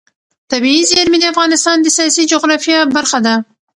طبیعي زیرمې د افغانستان د سیاسي جغرافیه برخه ده.